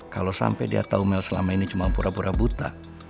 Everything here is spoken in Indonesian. kalau sampai dia tahu mel selama ini cuma pura pura buta